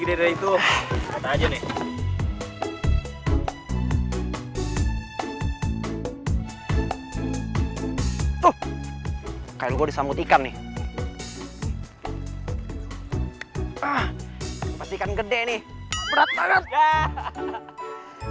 gede itu aja nih tuh kayak gua disambut ikan nih ah pasti kan gede nih berat banget ya hahaha